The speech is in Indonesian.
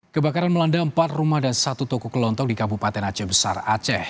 kebakaran melanda empat rumah dan satu toko kelontong di kabupaten aceh besar aceh